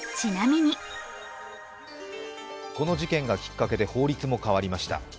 この事件がきっかけで法律も変わりました。